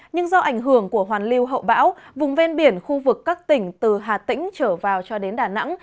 nhưng do ảnh hưởng của hoàn lưu hậu bão vùng ven biển khu vực các tỉnh từ hà tĩnh trở vào cho đến đà nẵng